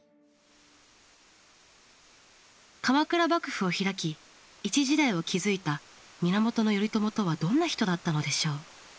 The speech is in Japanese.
鎌倉幕府を開き一時代を築いた源頼朝とはどんな人だったのでしょう？